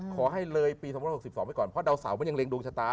ขอให้เลยปี๒๖๒ไว้ก่อนเพราะดาวเสามันยังเร็งดวงชะตา